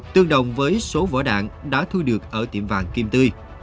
tương đồng với số vỏ đạn đã thu được ở tiệm vàng kim tươi